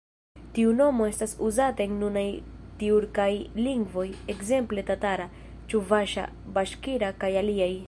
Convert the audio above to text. Tiu nomo estas uzata en nunaj tjurkaj lingvoj, ekzemple tatara, ĉuvaŝa, baŝkira kaj aliaj.